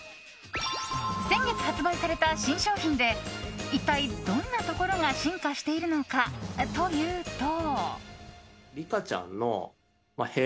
先月発売された新商品で一体どんなところが進化しているのかというと。